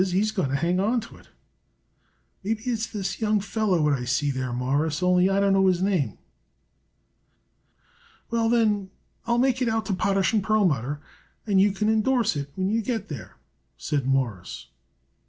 He's going to hang on to it. Maybe it's this young feller what I see there, Mawruss, only I don't know his name." "Well, then, I'll make it out to Potash & Perlmutter, and you can indorse it when you get there," said Morris.